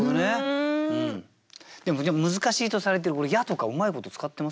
でも難しいとされてる「や」とかうまいこと使ってません？